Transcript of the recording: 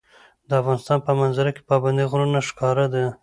د افغانستان په منظره کې پابندی غرونه ښکاره ده.